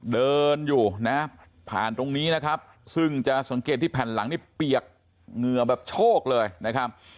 เดินอยู่นะผ่านตรงนี้นะครับซึ่งจะสังเกตที่แผ่นหลังนี่เปียกเหงื่อแบบโชคเลยนะครับ